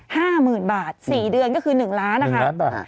ห้าหมื่นบาทสี่เดือนก็คือหนึ่งล้านนะคะล้านบาท